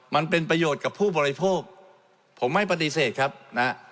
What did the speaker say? มันเป็นประโยชน์กับผู้บริโภคผมไม่ปฏิเสธครับนะฮะ